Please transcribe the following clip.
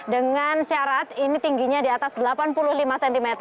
dengan syarat ini tingginya di atas delapan puluh lima cm